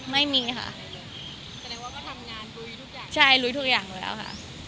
ไม่มีเอฟเฟคค